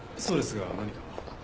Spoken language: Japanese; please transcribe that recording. そうですが何か？